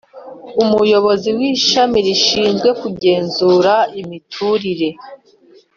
Umuyobozi w Ishami rishinzwe Kugenzura imiturire